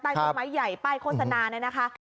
ป้ายความหมายใหญ่ป้ายโฆษณาเนี่ยนะคะ